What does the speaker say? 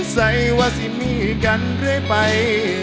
ใส่ว่าสิมีกันเรื่อยไป